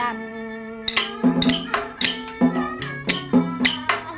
anh trai ơi